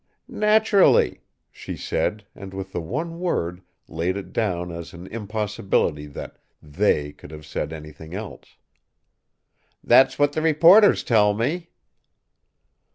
"Naturally," she said, and with the one word laid it down as an impossibility that "they" could have said anything else. "That's what the reporters tell me."